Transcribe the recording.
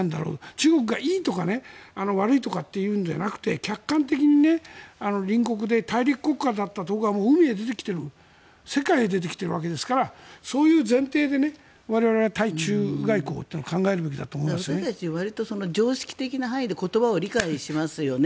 中国が、いいとか悪いとかというのではなくて客観的に、隣国で大陸国家だったところがもう海へ出てきている世界へ出てきているわけですからそういう前提で我々は対中外交というのを私たち、常識的な範囲で言葉を理解しますよね。